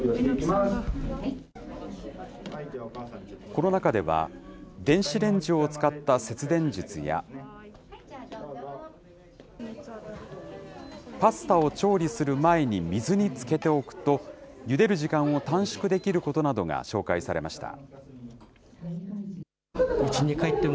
この中では、電子レンジを使った節電術や。パスタを調理する前に水につけておくと、ゆでる時間を短縮できることなどが紹介されました。